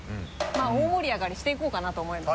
大盛り上がりしていこうかなと思います。